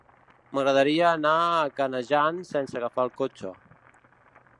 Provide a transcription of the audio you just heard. M'agradaria anar a Canejan sense agafar el cotxe.